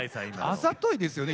あざといですよね